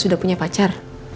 kamu sudah punya pacar